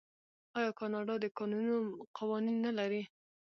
آیا کاناډا د کانونو قوانین نلري؟